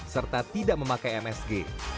serta tidak memakai msg